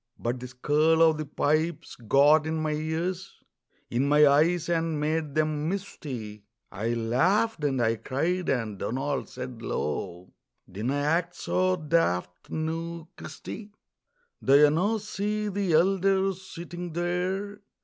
But the skirl o' the pipes got in my ears, In my eyes, and made them misty; I laughed and I cried, and Donald said low: "Dinna act so daft, noo, Christy!" "Do ye no see the elder sitting there?